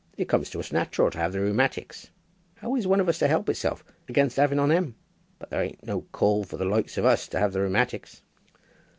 It comes to us natural to have the rheumatics. How is one of us to help hisself against having on 'em? But there ain't no call for the loikes of you to have the rheumatics."